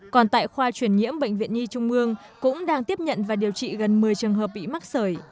còn tại khoa chuyển nhiễm bệnh viện nhi trung mương cũng đang tiếp nhận và điều trị gần một mươi trường hợp bị mắc sởi